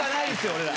俺ら。